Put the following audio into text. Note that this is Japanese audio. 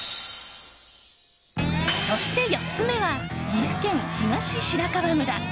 そして４つ目は岐阜県東白川村。